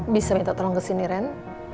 bisa minta tolong kesini ren